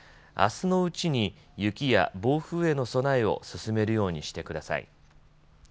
あすのうちに雪や暴風への備えを進めるようにしてください。